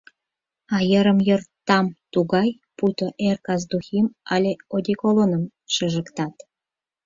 А йырым-йыр там тугай, пуйто эр-кас духим але одеколоным шыжыктат.